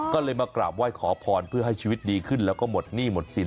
ก็เลยมากราบไหว้ขอพรเพื่อให้ชีวิตดีขึ้นแล้วก็หมดหนี้หมดสิน